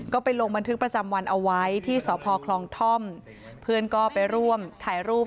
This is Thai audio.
ก็ไปลงบันทึกประจำวันเอาไว้ที่สพคลองท่อมเพื่อนก็ไปร่วมถ่ายรูป